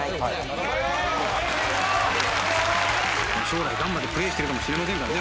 将来ガンバでプレーしてるかもしれませんから。